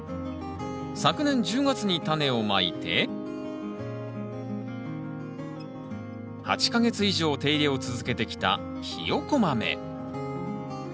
昨年１０月にタネをまいて８か月以上手入れを続けてきたヒヨコマメ。